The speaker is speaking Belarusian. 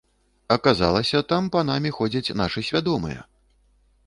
Аказалася, там панамі ходзяць нашы свядомыя!